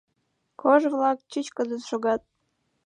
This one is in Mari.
Кож-влак чӱчкыдын шогат.